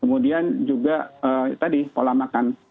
kemudian juga tadi pola makan